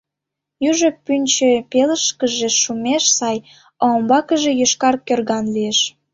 Южо пӱнчӧ пелышкыже шумеш сай, а умбакыже йошкар кӧрган лиеш.